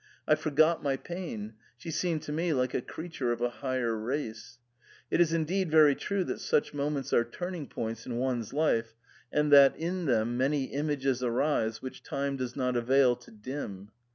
I forgot my pain ; she seemed to me like a creature of a higher race. It is in deed very true that such moments are turning points in one's life, and that in them many images arise which time does not avail to dim.